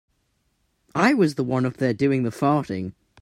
I was the one up there doing the farting.